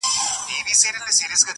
پخپله ورک یمه چي چیري به دي بیا ووینم،